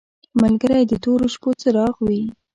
ملګری د تورو شپو څراغ وي.